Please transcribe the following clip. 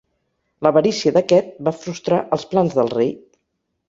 L'avarícia d'aquest va frustrar els plans del rei.